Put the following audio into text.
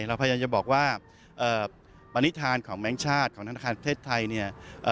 เราพยายามจะบอกว่าปณิธานของแม่งชาติของธนาคารเทศไทย